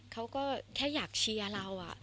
เขาก็แค่อยากเชียร์เรา